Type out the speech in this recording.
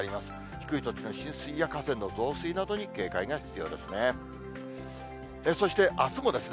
低い土地の浸水や河川の増水などに警戒が必要ですね。